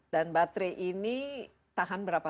dan baterai ini tahan berapa